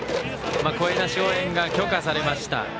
声出し応援が許可されました。